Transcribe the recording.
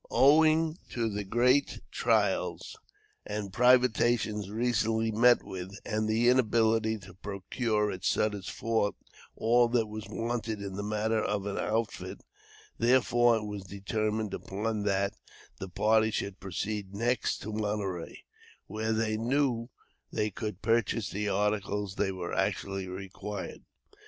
Owing to the great trials and privations recently met with, and the inability to procure at Sutter's Fort all that was wanted in the matter of an outfit, therefore it was determined upon that the party should proceed next to Monterey, where they knew they could purchase the articles that were actually required.